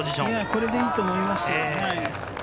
これでいいと思います。